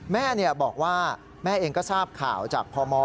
แม่บอกว่าแม่เองก็ทราบข่าวจากพม